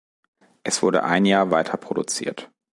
Es wurde ein Jahr weiter produziert.